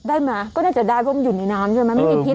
ได้ไหมก็น่าจะได้เพราะมันอยู่ในน้ำใช่ไหมมันไม่มีพิษไหมครับ